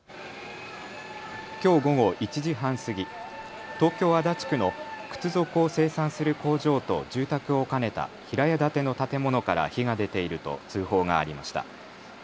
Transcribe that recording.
きょう午後１時半過ぎ、東京足立区の靴底を生産する工場と住宅を兼ねた平屋建ての建物から火が出ていると通報がありました。